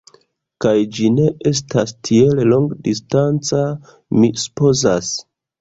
Kaj, ĝi ne estas tiel longdistanca, mi supozas.